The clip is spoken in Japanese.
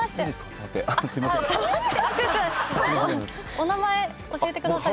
お名前教えてください。